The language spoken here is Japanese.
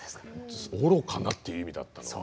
愚かなっていう意味だったのは。